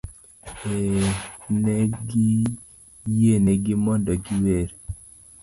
Ee, ne giyienegi mondo giwer.